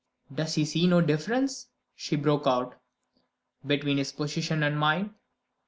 "Does he see no difference," she broke out, "between his position and mine?